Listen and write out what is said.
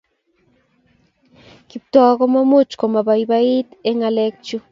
Kiptoo komuch komabaibait eng ngalek chu